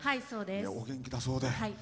お元気だそうで。